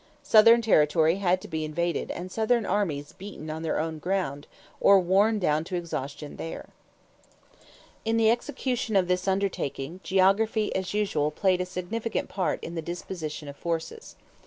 Southern territory had to be invaded and Southern armies beaten on their own ground or worn down to exhaustion there. In the execution of this undertaking, geography, as usual, played a significant part in the disposition of forces.